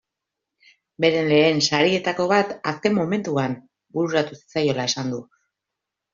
Bere lehen sarietako bat azken mementoan bururatu zaiola esan du.